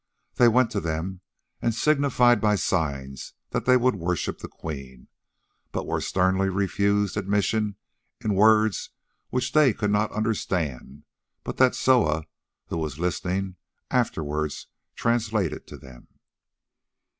They went to them and signified by signs that they would worship the Queen, but were sternly refused admission in words which they could not understand, but that Soa, who was listening, afterwards translated to them.